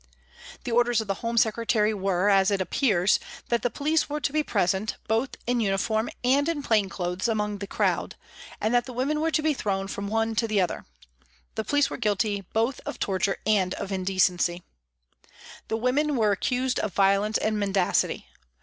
The orders of the Home Secretary were, it appears, that the police were to be present, both in uniform and in plain clothes among the crowd, and that the women were to be thrown from one to the other. The police were guilty both of torture and of indecency. The women were accused of violence and mendacity.